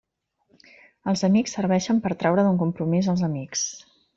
Els amics serveixen per a traure d'un compromís els amics.